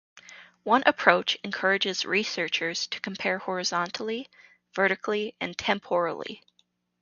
One approach encourages researchers to compare horizontally, vertically, and temporally.